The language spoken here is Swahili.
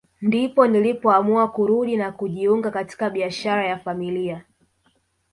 Ndipo nilipoamua kurudi na kujiunga katika biashara ya familia